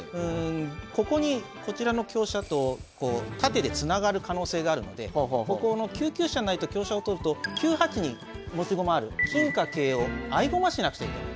ここにこちらの香車とこう縦でつながる可能性があるのでここの９九飛車成と香車を取ると９八に持ち駒ある金か桂を合駒しなくちゃいけない。